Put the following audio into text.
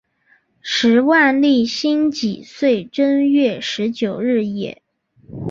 时万历辛己岁正月十九日也。